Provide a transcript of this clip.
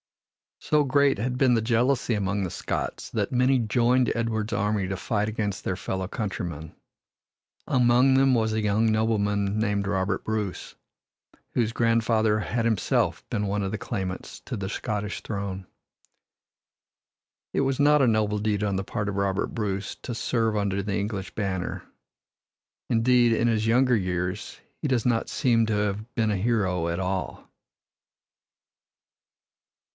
So great had been the jealousy among the Scots that many joined Edward's army to fight against their fellow countrymen. Among them was a young nobleman named Robert Bruce, whose grandfather had himself been one of the claimants to the Scottish throne. It was not a noble deed on the part of Robert Bruce to serve under the English banner. Indeed, in his younger years he does not seem to have been a hero at all.